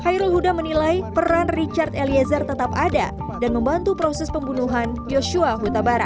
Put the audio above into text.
khairul huda menilai peran richard eliezer tetap ada dan membantu proses pembunuhan joshua hutabara